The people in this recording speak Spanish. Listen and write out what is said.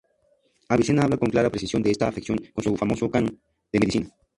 Avicena habla con clara precisión de esta afección en su famoso Canon de medicina.